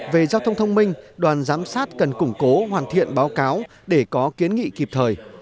về giao thông thông minh đoàn giám sát cần củng cố hoàn thiện báo cáo để có kiến nghị kịp thời